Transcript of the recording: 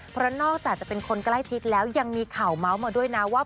เพราะนอกจากจะเป็นคนใกล้ชิดแล้วยังมีข่าวเมาส์มาด้วยนะว่า